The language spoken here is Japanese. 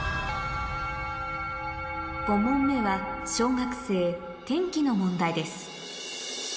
５問目は小学生の問題です